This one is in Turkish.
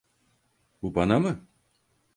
Bu bana mı?